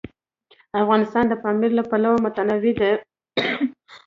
افغانستان د پامیر له پلوه متنوع دی.